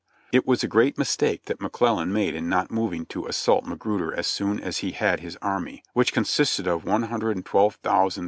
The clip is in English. It was a great mistake that McClellan made in not moving to assault Magruder as soon as he had his army, which consisted of 112,392 men, fit for duty.